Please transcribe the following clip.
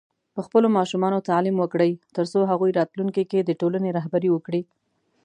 په خپلو ماشومانو تعليم وکړئ، ترڅو هغوی راتلونکي کې د ټولنې رهبري وکړي.